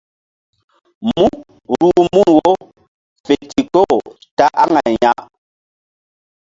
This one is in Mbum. Mú ruh mun wo fe ndikpoh ta aŋay ya.